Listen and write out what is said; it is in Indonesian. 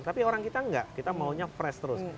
tapi orang kita enggak kita maunya fresh terus